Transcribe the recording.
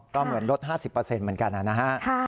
ก็เหมือนลด๕๐เหมือนกันนะฮะ